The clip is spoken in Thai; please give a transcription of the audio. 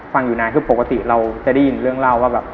ฟังอยู่นานที่ปกติเราจะได้ยินเรื่องเล่าว่า